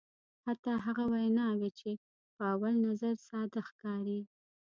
حتی هغه ویناوی چې په اول نظر ساده ښکاري.